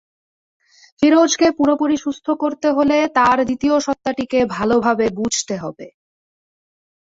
ফিরোজকে পুরোপুরি সুস্থ করতে হলে তার দ্বিতীয় সত্তাটিকে ভালোভাবে বুঝতে হবে।